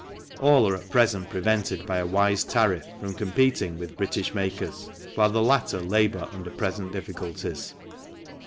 All are at present prevented by a wise tariff from competing with British makers while the latter labour under present difficulties.